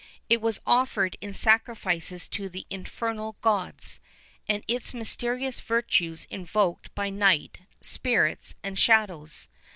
It was offered in sacrifices to the infernal gods, and its mysterious virtues evoked by night, spirits, and shadows.